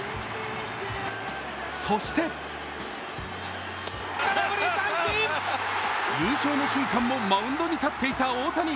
そして優勝の瞬間もマウンドに立っていた大谷。